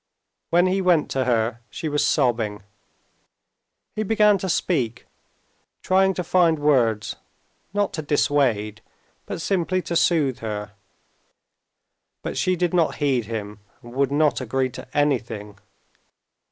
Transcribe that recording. When he went to her, she was sobbing. He began to speak, trying to find words not to dissuade but simply to soothe her. But she did not heed him, and would not agree to anything.